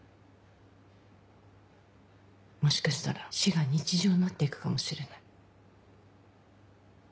もしかしたら死が日常になって行くかもしれない。